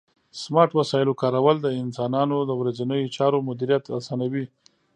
د سمارټ وسایلو کارول د انسانانو د ورځنیو چارو مدیریت اسانوي.